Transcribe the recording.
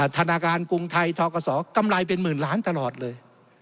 ธนาคารกรุงไทยทกศกำไรเป็นหมื่นล้านตลอดเลย